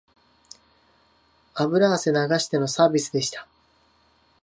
油汗流してのサービスでした